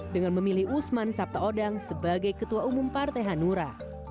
dengan memilih usman sabtaodang sebagai ketua umum partai hanura